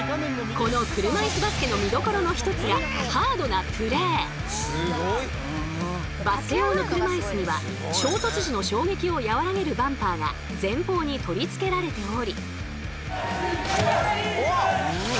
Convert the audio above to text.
この車いすバスケの見どころの一つがバスケ用の車いすには衝突時の衝撃をやわらげるバンパーが前方に取り付けられており。